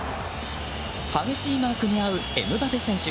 激しいマークに遭うエムバペ選手。